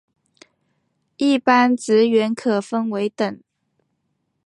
一般职员可分为等。